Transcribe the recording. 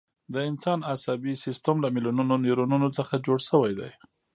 د انسان عصبي سیستم له میلیونونو نیورونونو څخه جوړ شوی دی.